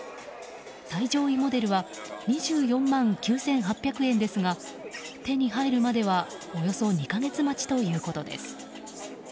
最上位モデルは２４万９８００円ですが手に入るまではおよそ２か月待ちということです。